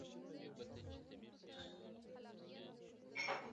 موږ څنګه وکولی شول، چې په لرو پرتو سیمو کې مېشت شو؟